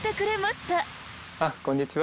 あっこんにちは。